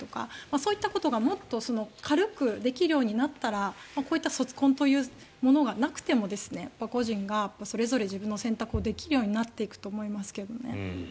そういうことがもっと軽くできるようになったらこういった卒婚というものがなくても個人がそれぞれ自分の選択をできるようになっていくと思いますけどね。